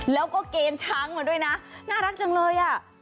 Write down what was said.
แล้วก็เกณฑ์ช้างมาด้วยนะน่ารักจังเลยอ่ะ